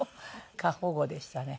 過保護でしたね。